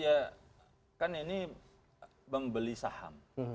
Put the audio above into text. ya kan ini membeli saham